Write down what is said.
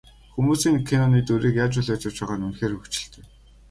Хүмүүс энэ киноны дүрийг яаж хүлээж авч байгаа нь үнэхээр хөгжилтэй.